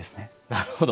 なるほど。